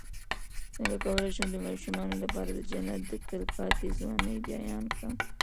څنګه کولی شم د ماشومانو لپاره د جنت د تل پاتې ځوانۍ بیان کړم